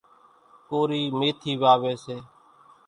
ڪورِي ميٿِي واويَ سي۔